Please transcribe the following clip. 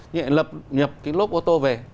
như vậy lập nhập cái lốp ô tô về